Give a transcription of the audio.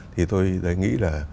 thì tôi thấy nghĩ là